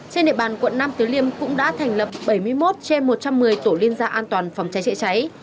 trên địa bàn quận năm tứ liêm cũng đã thành lập bảy mươi một che một trăm một mươi tổ liên gia an toàn phòng cháy chạy cháy